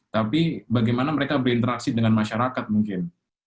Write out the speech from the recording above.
tapi bagaimana mereka berinteraksi dengan masyarakat mungkin